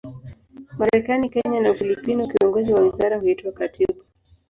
Marekani, Kenya na Ufilipino, kiongozi wa wizara huitwa katibu.